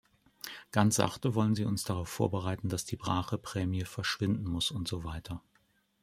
Ganz sachte wollen sie uns darauf vorbereiten, dass die Bracheprämie verschwinden muss und so weiter.